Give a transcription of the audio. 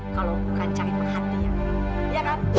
kalau bukan cari perhatian